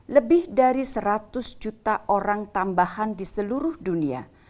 lebih dari seratus juta orang tambahan di seluruh dunia